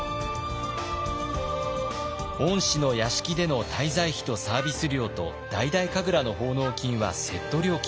御師の屋敷での滞在費とサービス料と大々神楽の奉納金はセット料金。